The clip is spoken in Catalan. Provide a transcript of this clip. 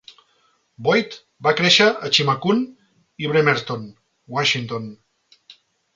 Boyd va créixer a Chimacum i Bremerton, Washington.